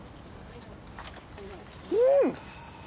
うん！